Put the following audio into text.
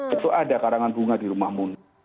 itu ada karangan bunga di rumah munir